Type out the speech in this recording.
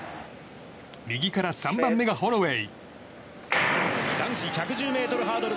右から３番目がホロウェイ。